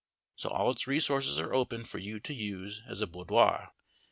So all its resources are open for you to use as boudoir.